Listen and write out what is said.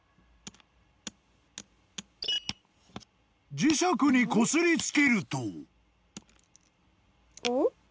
［磁石にこすりつけると］